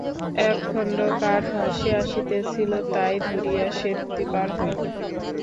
একখণ্ড কাঠ ভাসিয়া আসিতেছিল, তাই ধরিয়া সে নদী পার হইল।